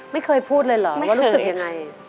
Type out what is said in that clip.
ไม่เคยพูดเลยเหรอว่ารู้สึกยังไง